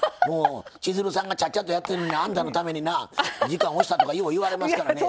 千鶴さんがちゃっちゃとやってるのにあんたのためにな時間押したとかよう言われますからね。